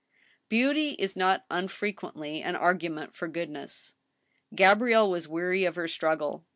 Beauty is not unfrequently an argument for goodness. Gabrielle was weary of her struggle.